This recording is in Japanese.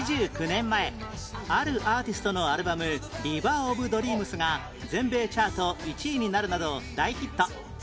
２９年前あるアーティストのアルバム『リバー・オブ・ドリームス』が全米チャート１位になるなど大ヒット